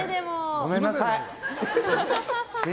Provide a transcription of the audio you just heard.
ごめんなさい。